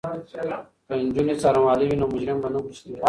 که نجونې څارنوالې وي نو مجرم به نه خوشې کیږي.